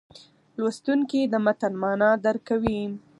لوستونکی د متن معنا درک کوي.